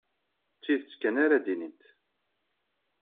D tidet kan ara d-tinimt.